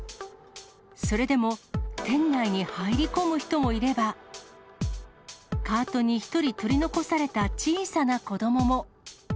それでも店内に入り込む人もいれば、カートに１人取り残された小さな子どもも。